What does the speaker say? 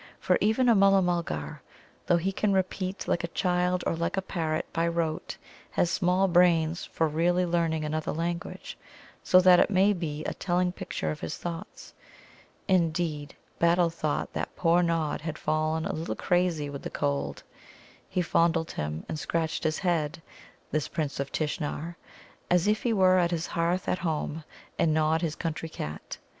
For even a Mulla mulgar, though he can repeat like a child, or like a parrot, by rote, has small brains for really learning another language, so that it may be a telling picture of his thoughts. Indeed, Battle thought that poor Nod had fallen a little crazy with the cold. He fondled him and scratched his head this Prince of Tishnar as if he were at his hearth at home, and Nod his country cat.